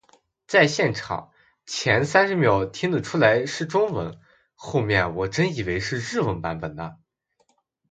在现场，前三十秒听得出来是中文，后面我真以为是日文版本的